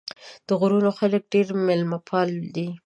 د غرونو خلک ډېر مېلمه پال دي.